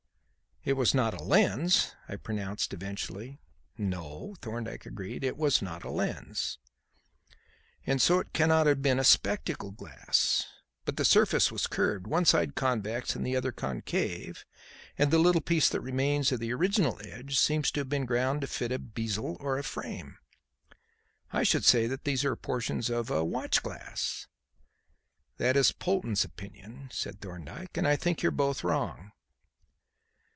"It was not a lens," I pronounced eventually. "No," Thorndyke agreed, "it was not a lens." "And so cannot have been a spectacle glass. But the surface was curved one side convex and the other concave and the little piece that remains of the original edge seems to have been ground to fit a bezel or frame. I should say that these are portions of a watch glass." "That is Polton's opinion," said Thorndyke, "and I think you are both wrong."